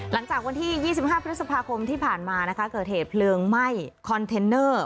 หลังจากวันที่๒๕พฤษภาคมที่ผ่านมานะคะเกิดเหตุเพลิงไหม้คอนเทนเนอร์